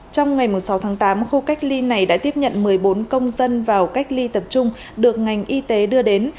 trong ngày sáu tháng tám khu cách ly này đã tiếp nhận một mươi bốn công dân vào cách ly tập trung được ngành y tế đưa đến